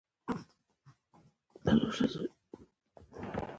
کله چې د خپل نږدې او خوږ دوست سره خبرې وکړئ.